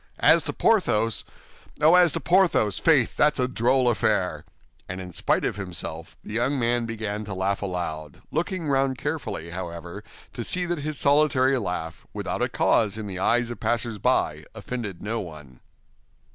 As to Porthos—oh, as to Porthos, faith, that's a droll affair!" And in spite of himself, the young man began to laugh aloud, looking round carefully, however, to see that his solitary laugh, without a cause in the eyes of passers by, offended no one.